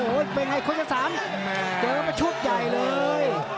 โอ้ยเป็นไงคนชะสามเดี๋ยวมาชุดใหญ่เลย